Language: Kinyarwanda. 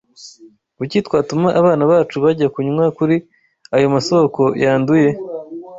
Kuki twatuma abana bacu bajya kunywa kuri ayo masoko yanduye